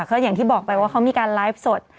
ก็อย่างที่บอกไปว่าเขามีการไลฟ์สด